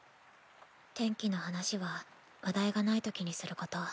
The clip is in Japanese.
天気の話は話題がないときにすること。